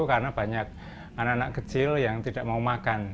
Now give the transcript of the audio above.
karena banyak anak anak kecil yang tidak mau makan